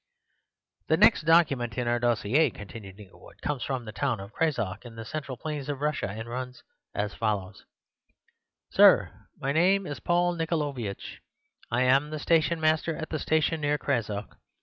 "The next document in our dossier," continued Inglewood, "comes from the town of Crazok, in the central plains of Russia, and runs as follows:— "Sir,—My name is Paul Nickolaiovitch: I am the stationmaster at the station near Crazok.